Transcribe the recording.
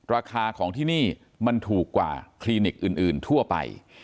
ราคาของที่นี่มันถูกกว่าคลินิกอื่นทั่วไป